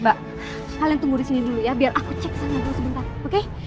mbak kalian tunggu di sini dulu ya biar aku cek sana dulu sebentar oke